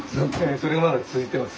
それがまだ続いてます。